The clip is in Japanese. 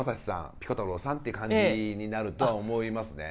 ピコ太郎さんっていう感じになるとは思いますね。